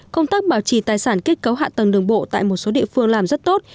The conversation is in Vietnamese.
công tác bảo trì tài sản kết cấu hạ tầng đường bộ tại một số địa phương làm rất tốt